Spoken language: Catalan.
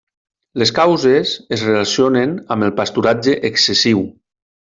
Les causes es relacionen amb el pasturatge excessiu.